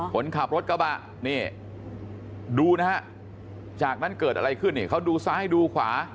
คนขับรถกระบะนี่ดูนะฮะจากนั้นเกิดอะไรขึ้นนี่เขาดูซ้ายดูขวา